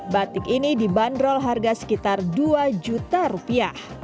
batik ini dibanderol harga sekitar dua juta rupiah